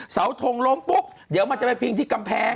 เสาทงลมปุ๊บเดี๋ยวจะผมมาพิงที่กำแพง